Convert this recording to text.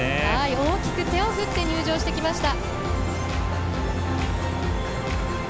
大きく手を振って入場してきました。